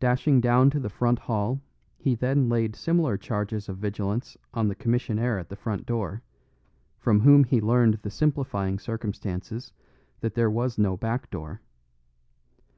Dashing down to the front hall he then laid similar charges of vigilance on the commissionaire at the front door, from whom he learned the simplifying circumstances that there was no back door.